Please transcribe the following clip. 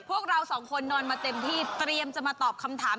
พวกเราสองคนนอนมาเต็มที่เตรียมจะมาตอบคำถาม